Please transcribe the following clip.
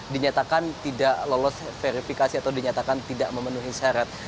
dinyatakan tidak lolos verifikasi atau dinyatakan tidak memenuhi syarat